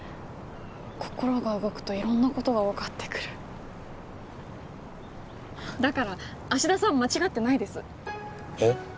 心が動くと色んなことが分かってくるだから芦田さん間違ってないですえっ？